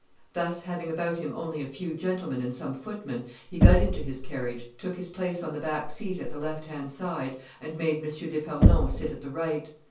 "Thus having about him only a few gentlemen and some footmen, he got into his carriage, took his place on the back seat at the left hand side, and made M. d'Epernon sit at the right.